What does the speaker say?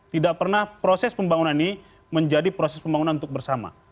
tidak pernah proses pembangunan ini menjadi proses pembangunan untuk bersama